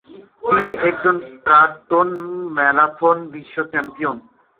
তিনি একজন প্রাক্তন ম্যারাথন বিশ্ব চ্যাম্পিয়ন।